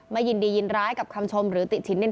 ยินดียินร้ายกับคำชมหรือติชิ้นดิน